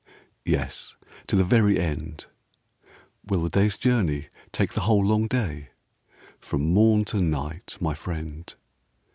Yes, to the very end. Will the day's journey take the whole long day? From morn to night, my friend.